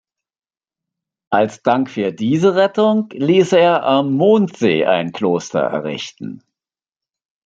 Als Dank für diese Rettung ließ er am Mondsee ein Kloster errichten.